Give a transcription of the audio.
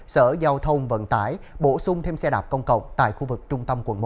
sở giao thông vận tải bổ sung thêm xe đạp công cộng tại khu vực trung tâm quận một